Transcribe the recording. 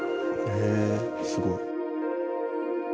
へえすごい。